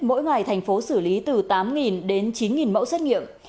mỗi ngày tp hcm xử lý từ tám đến chín mẫu xét nghiệm